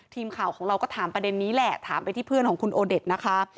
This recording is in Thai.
ทีมข่าวของเราก็ถามประเด็นนี้แหละถามไปที่เพื่อนของคุณโอเด็ดนะคะ